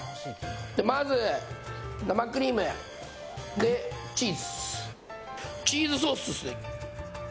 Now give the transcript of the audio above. まずは生クリーム、チーズ、チーズソースっす。